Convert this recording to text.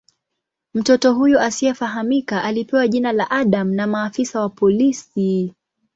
Mtoto huyu asiyefahamika alipewa jina la "Adam" na maafisa wa polisi.